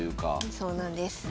そうなんです。